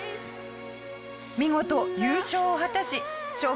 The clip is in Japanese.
見事優勝を果たし賞金